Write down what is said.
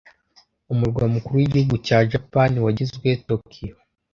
Umurwa mukuru wigihugu cya japan wagizwe tokyo